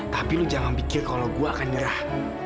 tapi lu jangan pikir kalau gue akan nyerah